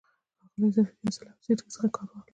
ښاغلی سفیر، یو څه له حوصلې څخه کار واخلئ.